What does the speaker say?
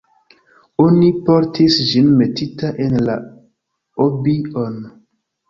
Oni portis ĝin metita en la "obi-on".